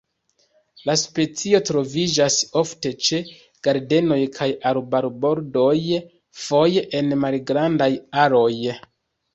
La specio troviĝas ofte ĉe ĝardenoj kaj arbarbordoj, foje en malgrandaj aroj.